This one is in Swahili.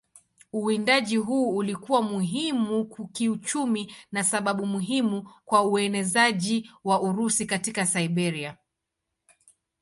Uwindaji huu ulikuwa muhimu kiuchumi na sababu muhimu kwa uenezaji wa Urusi katika Siberia.